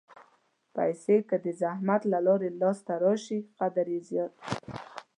پېسې که د زحمت له لارې لاسته راشي، قدر یې زیات وي.